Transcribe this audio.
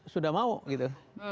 sudah mau gitu